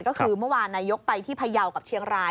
ก็คือเมื่อวานนายกไปที่พยาวกับเชียงราย